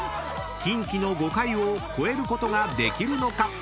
［キンキの５回を超えることができるのか？］